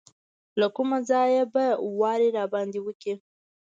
له کومه ځایه به واری راباندې وکړي.